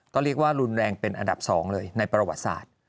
ก็เรียกว่ารุนแรงเป็นอันดับ๒เลยในประวัติศาสตร์